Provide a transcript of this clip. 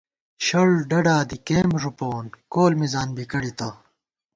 شڑ ڈڈا دی کېمپ ݫُپَوون، کول مِزان بی کڑِتہ